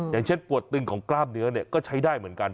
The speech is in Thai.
อย่างเช่นปวดตึงของกล้ามเนื้อก็ใช้ได้เหมือนกัน